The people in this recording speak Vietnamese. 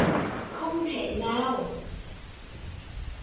Không thể nào